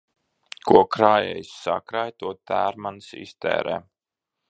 Ko krājējs sakrāj, to tērmanis iztērē.